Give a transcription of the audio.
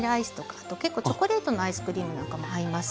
あと結構チョコレートのアイスクリームなんかも合います。